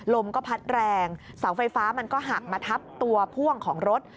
ลมก็พัดแรงเสาไฟฟ้ามันก็หักมาทับตัวพ่วงของรถ